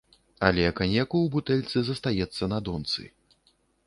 Але каньяку ў бутэльцы застаецца на донцы.